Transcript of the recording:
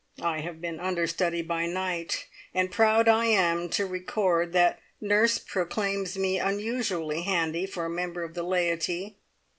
I have been understudy by night, and proud I am to record that Nurse proclaims me unusually "handy" for a member of the "laity".